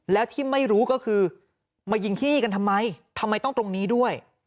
แล้วที่ไม่รู้ก็คือมายิงที่นี่กันทำไมทำไมต้องตรงนี้ด้วย